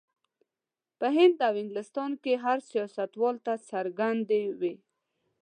په هند او انګلستان کې هر سیاستوال ته څرګندې وې.